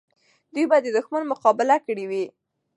دوی به د دښمن مقابله کړې وي.